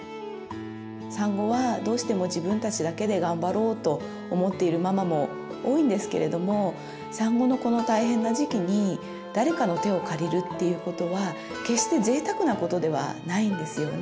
産後はどうしても自分たちだけで頑張ろうと思っているママも多いんですけれども産後のこの大変な時期に誰かの手を借りるっていうことは決してぜいたくなことではないんですよね。